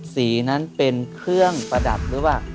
สีนั้นเป็นเครื่องประดับหรือเปล่า